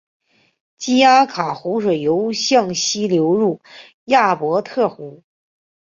基阿卡湖水又向西流入亚伯特湖。